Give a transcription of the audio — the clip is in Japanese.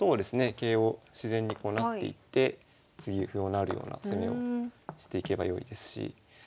桂を自然にこう成っていって次歩を成るような攻めをしていけば良いですし。